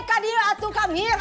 kadil atuh kamir